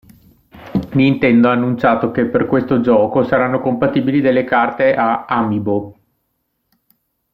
Nintendo ha annunciato che per questo gioco, saranno compatibili delle carte Amiibo.